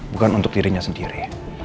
bukan untuk dirinya sendiri